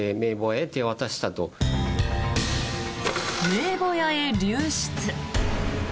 名簿屋へ流出。